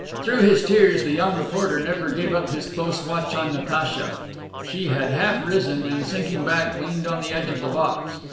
Through his tears the young reporter never gave up his close watch on Natacha. She had half risen, and, sinking back, leaned on the edge of the box.